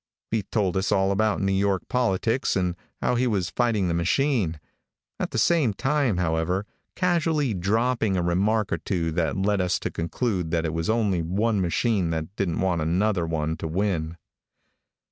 He told us all about New York politics and how he was fighting the machine, at the same time, however, casually dropping a remark or two that led us to conclude that it was only one machine that didn't want another one to win.